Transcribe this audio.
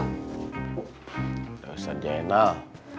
udah sad jainal